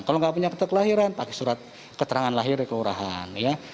kalau nggak punya akte kelahiran pakai surat keterangan lahir di keurahan ya